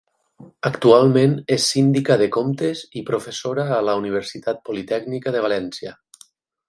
Actualment és Síndica de Comptes i professora a la Universitat Politècnica de València.